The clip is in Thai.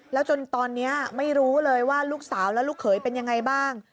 แล้วจนตอนนี้ไม่รู้เลยว่าลูกสาวและลูกเขยเป็นยังไงบ้าง